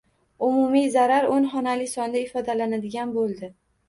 Umumiy zarar o‘n xonali sonda ifodalanadigan bo‘ldi.